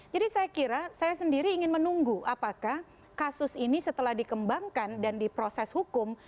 jadi saya kira saya sendiri ingin menunggu apakah kasus ini setelah dikembangkan dan diproses hukum